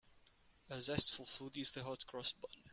A zestful food is the hot-cross bun.